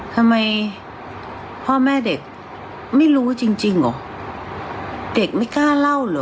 ทำไมพ่อแม่เด็กไม่รู้จริงจริงเหรอเด็กไม่กล้าเล่าเหรอ